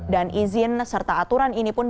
dan izin serta aturan ini pun